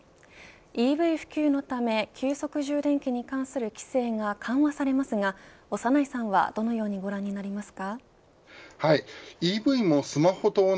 ＥＶ普及のため急速充電器に関する規制が緩和されますが、長内さんはどのようにご覧になりますか。